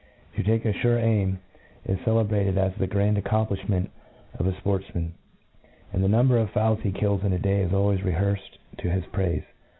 To take a fure aim, is cele brated as the grand accomplifliment of a fportf man ; and the number of fowls he kills in a day is always rehearfed to his praife.